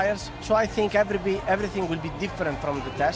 jadi saya pikir semuanya akan berbeda dari tes